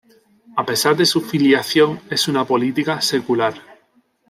A pesar de su filiación, es una política secular.